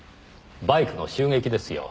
バイクの襲撃ですよ。